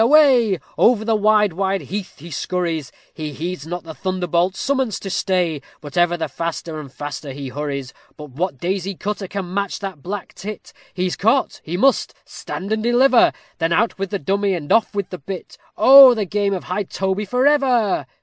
away! Over the wide wide heath he scurries; He heeds not the thunderbolt summons to stay, But ever the faster and faster he hurries. But what daisy cutter can match that black tit? He is caught he must "stand and deliver;" Then out with the dummy, and off with the bit, Oh! the game of high toby for ever!